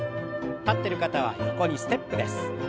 立ってる方は横にステップです。